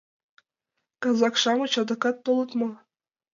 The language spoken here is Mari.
— Казак-шамыч адакат толыт мо?